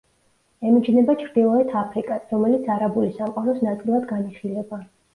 ემიჯნება ჩრდილოეთ აფრიკას, რომელიც არაბული სამყაროს ნაწილად განიხილება.